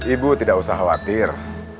ibu tidak usah khawatir